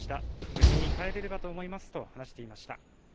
無事に帰れればと思いますと話していました。